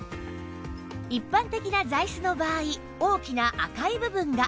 一般的な座椅子の場合大きな赤い部分が